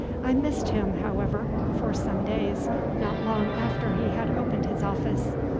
I missed him, however, for some days, not long after he had opened his office.